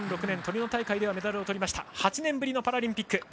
２００６年トリノ大会でメダルをとって８年ぶりのパラリンピック。